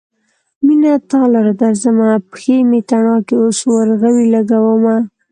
مينه تا لره درځمه : پښې مې تڼاکې اوس ورغوي لګومه